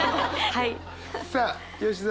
はい。